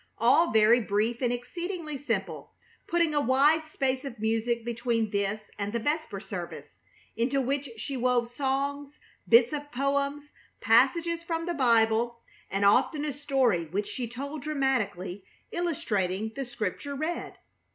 all very brief and exceedingly simple, putting a wide space of music between this and the vesper service, into which she wove songs, bits of poems, passages from the Bible, and often a story which she told dramatically, illustrating the scripture read.